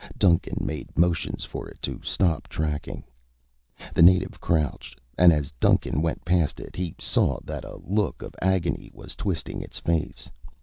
Duncan made motions for it to stop tracking. The native crouched and as Duncan went past it, he saw that a look of agony was twisting its face.